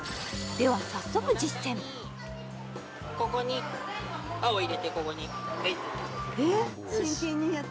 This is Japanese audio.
では早速実践ここに青入れてここにはいえっ？